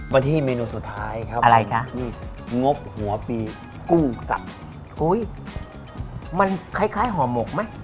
มาที่เมนูสุดท้ายครับงบหัวปีกู้สัมมันคล้ายหอมหมกไหม